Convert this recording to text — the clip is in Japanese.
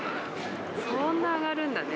そんな上がるんだね。